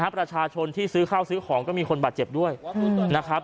ประชาชนที่ซื้อข้าวซื้อของก็มีคนบาดเจ็บด้วยนะครับ